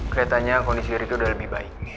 kelihatannya kondisi ricky sudah lebih baik